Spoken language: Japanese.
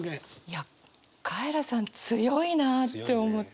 いやカエラさん強いなって思った。